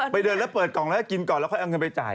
เดินแล้วเปิดกล่องแล้วก็กินก่อนแล้วค่อยเอาเงินไปจ่าย